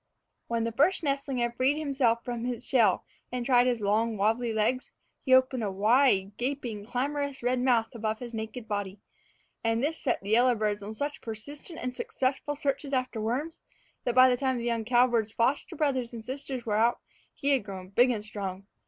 When the first nestling had freed himself from his shell and tried his long, wabbly legs, he opened a wide gaping, clamorous red mouth above his naked little body; and this set the yellowbirds on such persistent and successful searches after worms, that by the time the young cowbird's foster brothers and sisters were out, he had grown big and strong.